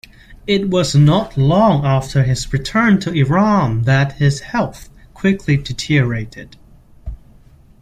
It was not long after his return to Iran that his health quickly deteriorated.